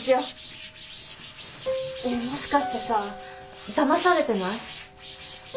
ねえもしかしてさだまされてない？